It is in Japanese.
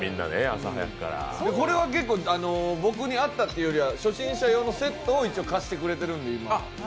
これは結構、僕に合ったというよりは初心者用のセットを一応貸してくれてるんで、今。